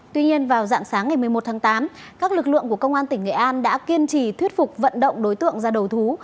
tuy nhiên vào dạng sáng ngày một mươi một tháng tám các lực lượng của công an tỉnh nghệ an đã kiên trì thuyết phục vận động đối tượng ra đầu thú